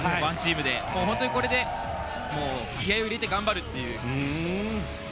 本当にこれで気合を入れて頑張るっていう。